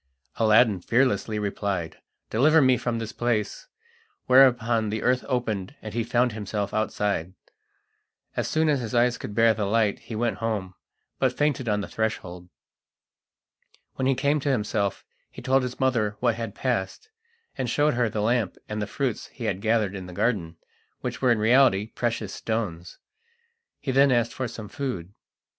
Aladdin fearlessly replied: "Deliver me from this place!" whereupon the earth opened, and he found himself outside. As soon as his eyes could bear the light he went home, but fainted on the threshold. When he came to himself he told his mother what had passed, and showed her the lamp and the fruits he had gathered in the garden, which were in reality precious stones. He then asked for some food.